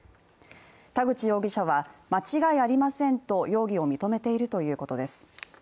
田口容疑者は、間違いありませんと容疑を認めているということです。